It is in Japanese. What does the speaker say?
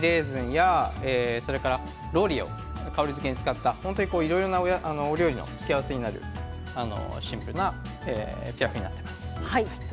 そこにローリエを香りづけに使ったいろいろなお料理の付け合わせになるシンプルなピラフになっています。